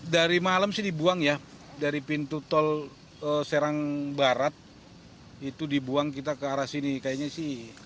dari malam sih dibuang ya dari pintu tol serang barat itu dibuang kita ke arah sini kayaknya sih